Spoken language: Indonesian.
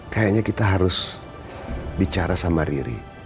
kayaknya kita harus bicara sama riri